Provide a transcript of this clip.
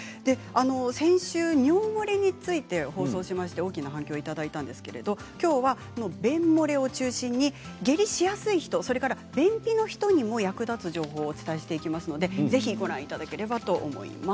先週、尿もれについて放送しまして、大きな反響をいただいたんですけどきょうは、便もれを中心に下痢しやすい人それから便秘の人にも役立つ情報をお伝えしていきますのでぜひご覧いただければと思います。